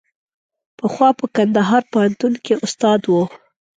پخوا په کندهار پوهنتون کې استاد و.